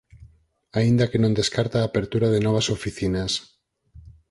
Aínda que non descarta a apertura de novas oficinas.